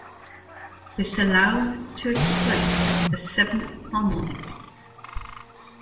This allows to express the seventh harmonic.